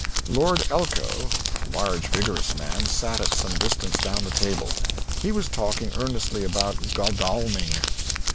Lord Elcho, a large vigorous man, sat at some distance down the table. He was talking earnestly about Godalming.